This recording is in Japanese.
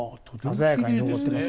鮮やかに残ってます。